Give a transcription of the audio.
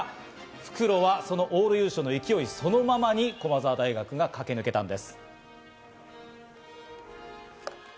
復路はその往路優勝の勢いそのままに駒澤大学が駆け抜けたんです。